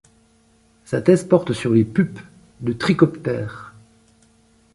Sa thèse porte sur les pupes de trichoptères.